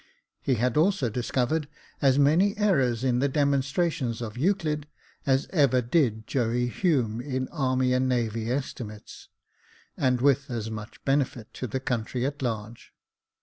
He had also discovered as many errors in the demonstrations of Euclid, as ever did Joey Hume in army and navy estimates, and with as much benefit to the country at large.